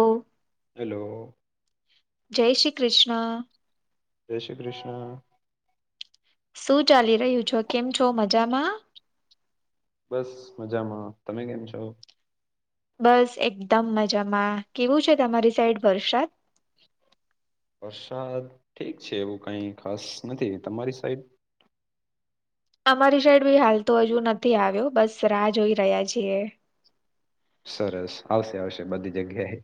ઓ hello. જય શ્રી કૃષ્ણ જય શ્રી કૃષ્ણ શું ચાલી રહ્યું છો? કેમ છો મજામાં? બસ મજામાં તમે કેમ છો? બસ એકદમ મજામાં કેવું છે તમારી સાઈડ વરસાદ? વરસાદ ઠીક છે એવું કાઈ ખાસ નથી તમારી સાઈડ અમારી સાઈડ ભી હાલ તો હજુ નથી આવ્યો બસ રાહ જોઈ રહ્યા છીએ. સરસ આવશે આવશે બધી જગ્યાએ.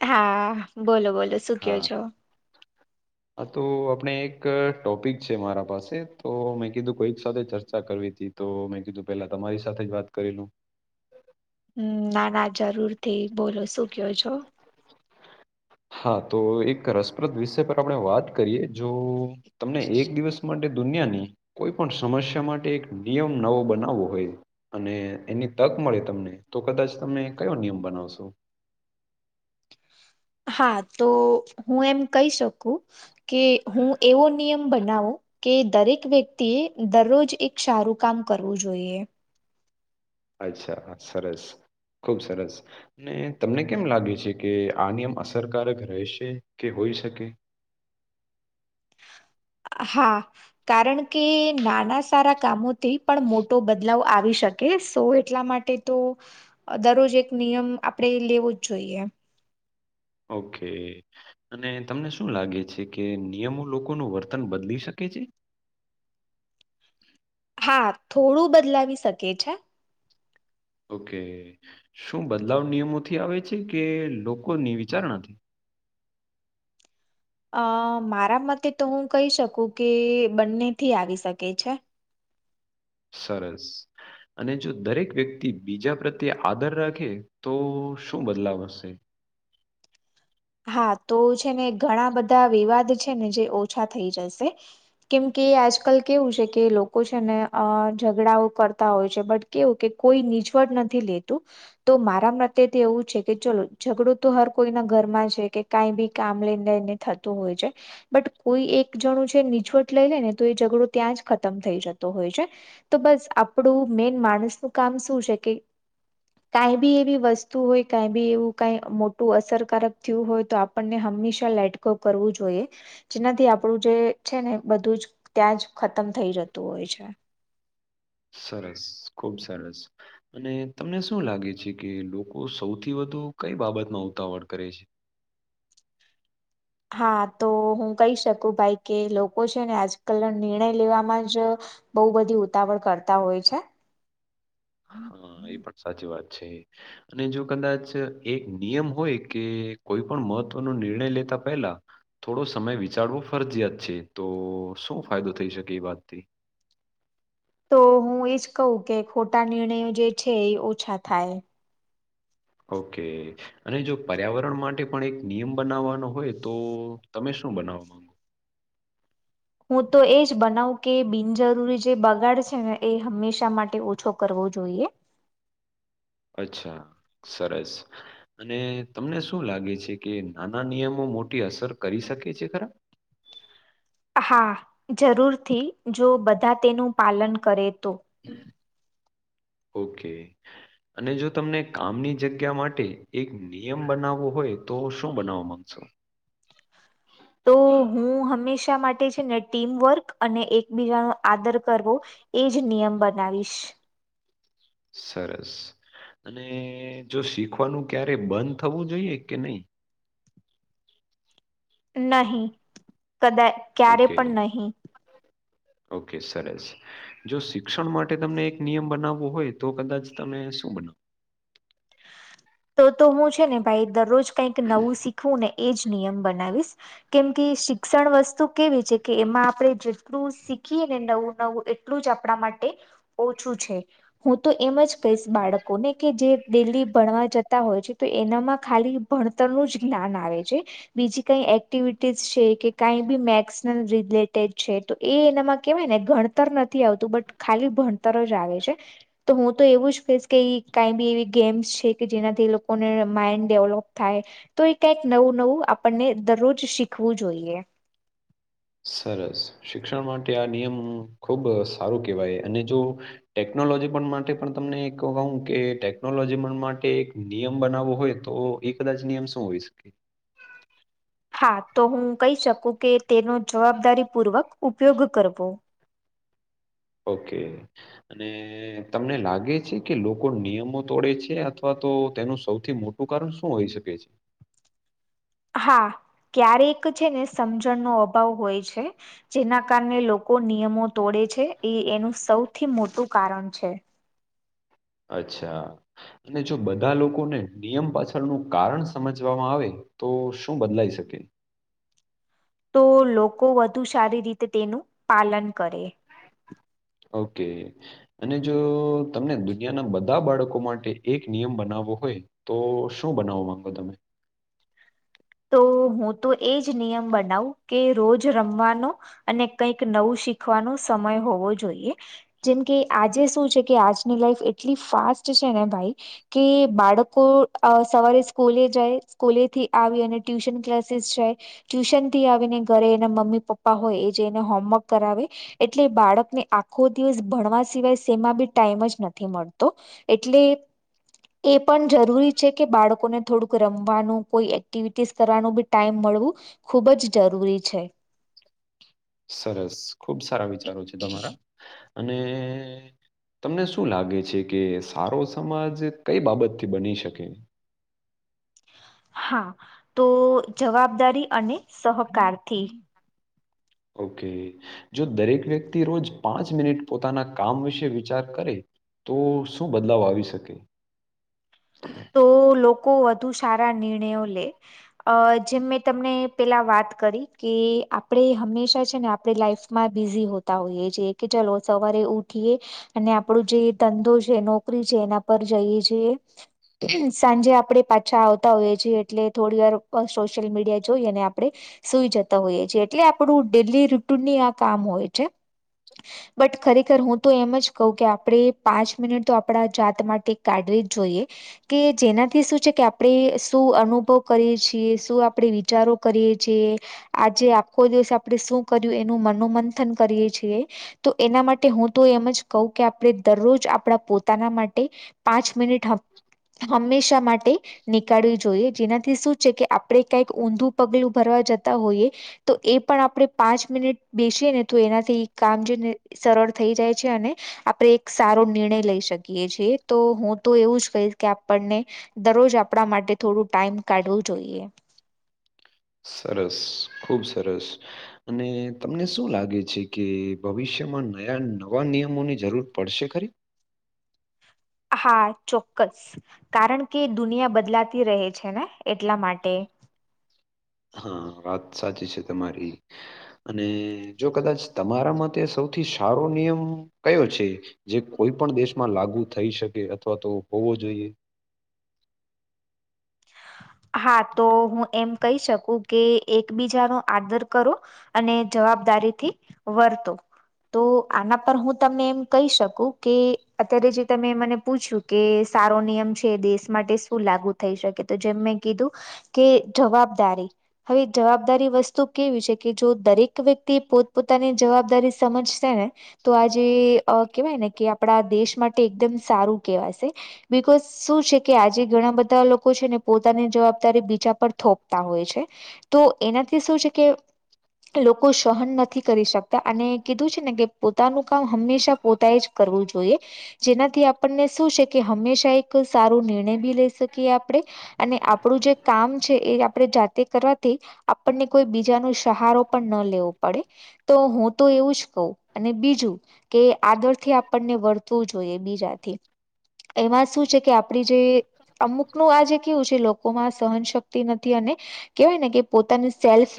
હા બોલો બોલો શું કયો હા. છો અ તો આપણે એક ટોપિક છે મારા પાસે તો મેં કીધું કોઈક સાથે ચર્ચા કરવી તી. તો મેં કીધું પેલા તમારી સાથે વાત કરી લઉ. હમ્મ ના ના જરૂર થી બોલો શું કયો છો? હા તો એક રસપ્રદ વિષય પર આપણે વાત કરીએ જો તમને એક દિવસ માટે દુનિયાની કોઈ પણ સમસ્યા માટે એક નિયમ નવો બનાવવો હોય અને એની તક મળે તમને તો કદાચ તમે કયો નિયમ બનાવશો? હા તો હું એમ કહી શકું કે હું એવો નિયમ બનાવુ કે દરેક વ્યક્તિએ દરરોજ એક સારું કામ કરવું જોઈએ. અચ્છા હા સરસ ખુબ સરસ ને તમને કેમ લાગે છે કે આ નિયમ અસરકારક રહેશે કે હોઈ શકે? હા કારણ કે નાના સારા કામોથી પણ મોટો બદલાવ આવી શ ઓકે સો એટલા માટે તો અ-દરરોજ એક નિયમ આપણેે લેવો જ જોઈએ. ઓકે. અને તમને શું લાગે છે કે નિયમો લોકોનો વર્તન બદલી શકે છે? હા થોડું બદલાવી શકે છે. ઓકે. શું બદલાવ નિયમોથી આવે છે કે લોકોની વિચારણાથી? અ મારા મતે તો હું કહી શકું કે બંનેથી આવી શકે છે. સરસ. અને જો દરેક વ્યક્તિ બીજા પ્રત્યે આદર રાખે તો શું બદલાવ હશે? હા. તો છે ને ઘણા બધા વિવાદ છે ને જે ઓછા થઈ જશે કેમ કે આજકલ કેવું છે કે લોકો છે ને અ ઝઘડાઓ કરતા હોય છે બટ કેવું કે કોઈ નીછવટ નથી લેતું તો મારા મતેત એવું છે કે ચલો ઝઘડો તો હર કોઈના ઘરમાં જ કે કે કાઈ બી કામ લઈને ને થતું હોય છે. બટ કોઈ એક જણું છે નીછવટ લઈ લે ને તો એ ઝઘડો ત્યાં જ ખતમ થઈ જતો હોય છે. તો બસ આપણું મેન માણસ નું કામ શું છે કે કાઈ બી એવી વસ્તુ હોય, કાઈ બી એવું કાઈ મોટું અસરકારક થ્યુ હોય તો આપણને હંમેશા લેટ ગો કરવું જોઈએ. જેનાથી આપડું જે છે ને બધું જ ત્યાં જ ખતમ થઈ જતું હોય છે. સરસ. ખુબ સરસ. અને તમને શું લાગે છે કે લોકો સૌથી વધુ કઈ બાબતમાં ઉતાવળ કરે છે? હા. તો હું કહી શકું ભાઈ કે લોકો છે ને આજકલ નિર્ણય લેવામાં જ બહુ બધી ઉતાવળ કરતા હોય છે. હ. એ પણ સાચી વાત છે. અને જો કદાચ એક નિયમ હોય કે કોઈ પણ મહત્વનો નિર્ણય લેતા પહેલા થોડો સમય વિચારવો ફરજીિયાત છે. તો શું ફાયદો થઈ શકે એ વાતથી? તો હું એજ કહું કે ખોટા નિર્ણયો જે છે એ ઓછા થાય. ઓકે. અને જો પર્યાવરણ માટે પણ એક નિયમ બનાવવાનો હોય તો તમે શું બનાવવા માંગો? હું તો એ જ બનાઉ કે બિનજરૂરી જે બગાડ છે ને એ હંમેશા માટે ઓછો કરવો જોઈએ. અચ્છા સરસ અને તમને શું લાગે છે કે નાના નિયમો મોટી અસર કરી શકે છે ખરા હા જરૂરથી જો બધા તેનું પાલન કરે તો ઓકે અને જો તમને કામની જગ્યા માટે એક નિયમ બનાવવો હોય તો શું બનાવવા માંગશો તો હું હંમેશા માટે છે ને ટીમવર્ક અને એકબીજાનો આદર કરવો એજ નિયમ બનાવીશ સરસ અને જો શીખવાનું ક્યારે બંધ થવું જોઈએ કે નહીિ નહી કદાય ઓકે ઓકે સરસ જો શિક્ષણ માટે તમને એક નિયમ બનાવવો હોય તો કદાચ તમે શું બનાવો તો તો હું છે ને ભાઈ દરરોજ કઈક નવું શીખવું ને એ જ નિયમ બનાવીશ કેમ કે શિક્ષણ વસ્તુ કેવી છે કે એમાં આપણે જેટલું શીખીએ ને નવું નવું એટલું જ આપણા માટે ઓછું છે હું તો એમ જ કહીશ બાળકોને કે જે ડેલી ભણવા જતા હોય છે તો એનામાં ખાલી ભણતરનું જ જ્ઞાન આવે છે બીજી કઈ એક્ટિવિટીસ છે કે કઈ બી મેક્સ રિલેટેડ છે તો એ એનામાં કેહેવાય ને ભણતર નથી આવતું બટ ખાલી ભણતર જ આવે છે. તો હું તો એવું જ કહીશ કે કાઈ બી એવી ગેમ્સ છે કે જેનાથી એ લોકોને માઈન્ડ ડેવલોપ થાય તો એ કંઈક નવું નવું આપણને દરરોજ શીખવું જોઈએ સરસ શિક્ષણ માટે આ નિયમ ખુબ સારું કેહેવાય અને જો ટેકનોલોજી પણ માટે પણ તમને એક કહું કે ટેકનોલોજી પણ માટે એક નિયમ બનાવવો હોય તો એક કદાચ નિયમ સું હોય શકે હા તો હું કહી શકું કે તેનો જવાબદારી પૂર્વક ઉપયોગ કરવો ઓકે અને તમને લાગે છે કે લોકો નિયમો તોડે છે અથવા તો તેનું સૌથી મોટું તો કારણ શું હોઈ શકે છે હા ક્યારેક છે ને સમજણનો અભાવ હોય છે જેના કારણે લોકો નિયમો તોડે છે એ એનું સૌથી મોટું કારણ છે. અચ્છા અને જો બધા લોકોને નિયમ પાછળનું કારણ સમજવામાં આવે તો શું બદલાઈ શકે. તો લોકો વધુ સારી રીતે તેનું પાલન કરે. ઓકે અને જો તમને દુનિયાના બધા બાળકો માટે એક નિયમ બનાવવો હોય. તો શું બનાવવા માંગો તમે તો હું તો એજ નિયમ બનાવું કે રોજ રમવાનો અને કંઈક નવું શીખવાનો સમય હોવો જોઈએ. જેમ કે આજે શું છે કે આજની લાઈફ એટલી ફાસ્ટ છે ને ભાઈ કે બાળકો સવારે સ્કૂલે જાય સ્કૂલે થી આવી અને ટ્યુશન ક્લાસીસ છે. ટ્યુશન થી આવીને ઘરે એના મમ્મી પપ્પા હોય એ જે એને હોમવર્ક કરાવે એટલે બાળકને આખો દિવસ ભણવા સિવાય સેમાં બી ટાઈમ જ નથી મળતો. એટલે એ પણ જરૂરી છે કે બાળકોને થોડુંક રમવાનું કોઈ એક્ટિવિટીસ કરવાનું બી ટાઈમ મળવું ખૂબ જ જરૂરી છે. સરસ ખુબ સારા વિચારો છે તમારા અને તમને શું લાગે છે કે સારો સમાજ કઈ બાબતથી બની શકે. હા તો જવાબદારી અને સહકારથી ઓકે જો દરેક વ્યક્તિ રોજ પાંચ મિનિટ પોતાના કામ વિશે વિચાર કરે. તો શું બદલાવ આવી શકે તો લોકો વધુ સારા નિર્ણયો લે અ જેમ મેં તમને પેલા વાત કરી કે આપણે હંમેશા છે ને આપણે લાઈફ માં બિઝી હોતા હોઈએ છેએ કે ચાલ સવારે ઉઠીએ અને આપણું જે ધંધો છે નોકરી છે એના પર જઈએ છીએ. સાંજે આપડે પાછા આવતા હોઈએ છીએ એટલે થોડી વાર સોશિયલ મીડિયા જોઈ અને આપડે સુઈ જતા હોઈએ છેીએ એટલે આપણું ડેલી રૂટુનની આ કામ હોય છે. બટ ખરેખર હું તો એમ જ કવ કે આપણે પાંચ મિનિટ તો આપડા જાત માટે કાઢવી જ જોઈએ. કે જેનાથી શું છે કે આપણે શું અનુભવ કરીએ છીએ શું આપણે વિચારો કરીએ છીએ. આજે આખો દિવસ આપણેે શું કર્યું એનું મનોમંથન કરીયે છીએ. તો એના માટે હું તો એમ જ કહું કે આપણે દરરોજ આપણા પોતાના માટે પાંચ મિનિટ હંમેશા માટે નીકાળવી જોઈએ જેનાથી શું છે કે આપણે કઈક ઊંધું પગલું ભરવા જતા હોઈએ. તો એ પણ આપણે પાંચ મિનિટ બેસીએ ને તો એનાથી કામ જે ને સરળ થઈ જાય છે અને આપડે એક સારો નિર્ણય લઈ શકીએ છીએ તો હું તો એવું જ કહીશ કે આપણને દરરોજ આપણા માટે થોડું ટાઈમ કાઢવું જોઈએ. સરસ ખૂબ સરસ અને તમને શું લાગે છે કે ભવિષ્યમાં નયા નવા નિયમોની જરૂર પડશે ખરી હા ચોક્કસ કારણ કે દુનિયા બદલાતી રહે છે ને એટલા માટે હા વાત સાચી છે તમારી. અને જો કદાચ તમારા માટે સૌથી સારો નિયમ કયો છે જે કોઈ પણ દેશમાં લાગુ થઈ શકે અથવા તો હોવો જોઈએ હા તો હું એમ કહી શકું કે એકબીજાનો આદર કરો અને જવાબદારી થી વર્તો તો આના પર હું તમને એમ કહી શકું કે અત્યારે જે તમે મને પૂછ્યું કે સારો નિયમ છે દેશ માટે શું લાગુ થઈ શકે તો જેમ મેં કીધું કે જવાબદારી હવે જવાબદારી વસ્તુ કેવી છે કે જો દરેક વ્યક્તિ પોત પોોતાની જવાબદારી સમજશે ને તો આજે કેહેવાય ને કે આપણા દેશ માટે એકદમ સારું કેહેવાશે બકોઝ શું છે કે આજે ઘણા બધા લોકો છે ને પોતાની જવાબદારી બીજા પર થોપતા હોય છે તો એનાથી શું છે કે લોકો સહન નથી કરી શકતા અને કીધું છે ને કે પોતાનું કામ હંમેશા પોતાએ જ કરવું જોઈએ જેનાથી આપણને શું છે કે હંમેશા એક સારો નિર્ણય બી લઈ શકીએ આપણે અને આપણું જે કામ છે એ આપણે જાતે કરવાથી આપણને કોઈ બીજા ન સહારો પણ ન લેવો પડે તો હું તો એવું જ કહું અને બીજું કે આદર થી આપણને વર્તવું જોઈએ બીજાથી એમાં શું છે કે આપડી જે અમુકનું આ જે કેવું છે લોકો માં સહન શક્તિ નથી અને કેવાય ને કે પોતાની સેલ્ફ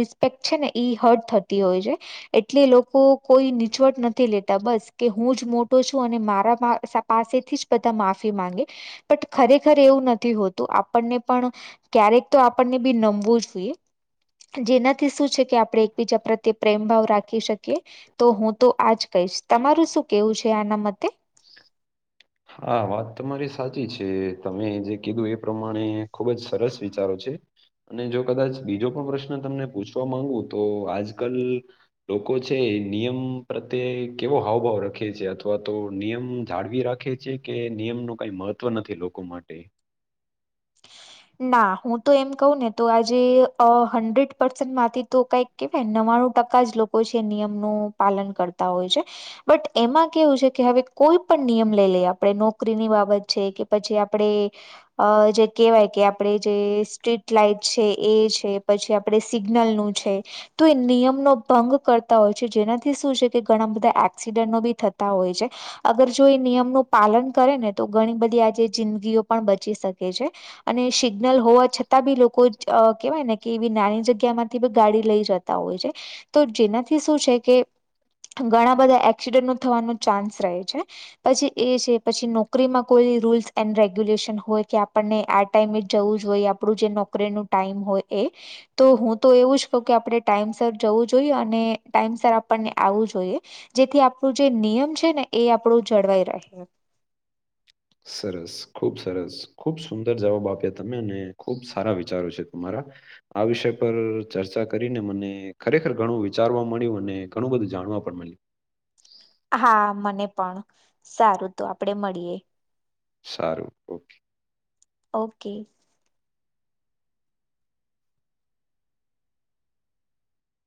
રિસ્પેક્ટ છે ને ઈ હર્ટ થતી હોય છે એટલે લોકો કોઈ નીચવટ નથી લેતા બસ કે હું જ મોટો છું અને મારા પાસેથી જ બધા માફી માંગે પણ ખરેખર એવું નથી હોતું તો આપણને પણ ક્યારેક તો આપણને બી નમવું જ જોઈએ જેનાથી શું છે કે આપણે એકબીજા પ્રત્યે પ્રેમ ભાવ રાખી શકીએ તો હું તો આજ કહીશ તમારું શું કેવું છે આના મતે હા વાત તમારી સાચી છે તમે જે કીધું એ પ્રમાણે ખુબ જ સરસ વિચારો છે અને જો કદાચ બીજો પણ પ્રશ્ન તમને પૂછવા માંગુ તો આજ કલ લોકો છે નિયમ પ્રત્યે કેવો હાવભાવ રખે છે અથવા તો નિયમ જાળવી રાખે છે જે કે નિયમ નું કઈ મહત્વ નથી લોકો માટે ના હું તો એમ કહું ને તો આજે હન્ડ્રેડ પરસેન્ટ માંથી તો કઈક કેવાય ન્વાણું ટકા જ લોકો છે નિયમનું પાલન કરતા હોય છે બટ એમાં કેવું છે કે હવે કોઈ પણ નિયમ લઈ લઈએ આપણે નોકરીની બાબત છે કે પછી આપણેે અ જે કે વાય કે આપણે જે સ્ટ્રીટ લાાઈટ છે એ છે પછી આપણે સિગ્નલ નું છે તો એ નિયમનોો ભંગ કરતા હોય છે જેનાથી શું છે કે ઘણા બધા એક્સિડન્ટો બી થતા હોય છે અગર જો એ નિયમનું પાલન કરે ને તો ઘણી બધી આજે જિંદગીઓ પણ બચી શકે છે અને સિગ્નલ હોવા છતાં બી લોકો કહેવાય ને કે એવી નાની જગ્યામાંથી બી ગાડી લઈ જતા હોય છે તો જેનાથી શું છે કે ઘણા બધા એક્સિડન્ટો થવાનો ચાન્સ રહે છે પછી એ છે પછી નોકરીમાં કોઈ રૂલ્સ એન્ડ રેગ્યુલેશન હોય કે આપણને આ ટાઈમે જ જવું જોઈએ આપણું જે નોકરી નું ટાઈમ હોય એ તો હું તો એવું જ કહું કે આપણે ટાઈમ સર જવું જોઈએ અને ટાઈમ સર આપણને આવવું જોઈએ જેથી આપણું જે નિયમ છે ને એ આપણું જળવાઈ રહે સરસ ખુબ સરસ ખુબ સુંદર જવાબ આપ્યા તમે અને ખુબ સારા વિચારો છે તમારા આ વિષય પર ચર્ચા કરીને મને ખરેખર ઘણું વિચારવા મળ્યું અને ઘણું બધું જાણવા પણ મળ્યું હા મને પણ સારું તો આપડે મળીએે સારું, ઓકે. ઓકે